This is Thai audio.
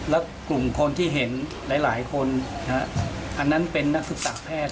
แล้วกลุ่มคนที่เห็นหลายคนอันนั้นเป็นนักศึกษาแพทย์